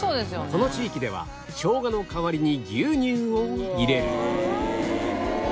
この地域ではショウガの代わりに牛乳を入れる